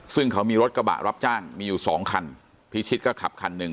ซึ่งเขามีรถกระบะรับจ้างมีอยู่สองคันพิชิตก็ขับคันหนึ่ง